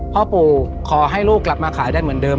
พ่อปู่ขอให้ลูกกลับมาขายได้เหมือนเดิม